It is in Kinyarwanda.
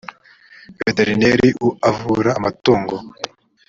veterineri avura amatungu.